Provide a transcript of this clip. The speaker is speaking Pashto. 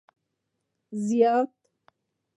زیاته